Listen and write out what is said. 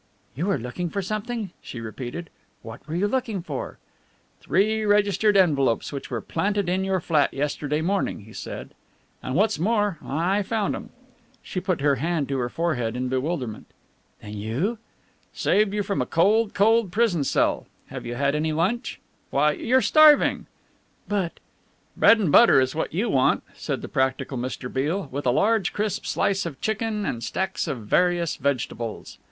"You were looking for something?" she repeated. "What were you looking for?" "Three registered envelopes which were planted in your flat yesterday morning," he said, "and what's more I found 'em!" She put her hand to her forehead in bewilderment. "Then you " "Saved you from a cold, cold prison cell. Have you had any lunch? Why, you're starving!" "But " "Bread and butter is what you want," said the practical Mr. Beale, "with a large crisp slice of chicken and stacks of various vegetables."